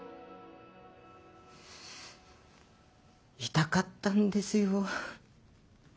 痛かったんですよ。